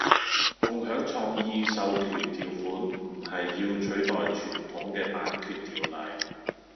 共享創意授權條款唔係要取代傳統嘅版權條例